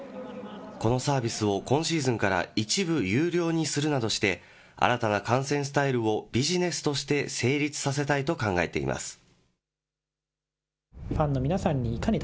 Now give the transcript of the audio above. このサービスを、今シーズンから一部有料にするなどして、新たな観戦スタイルをビジネスとして成立させたいと考えています。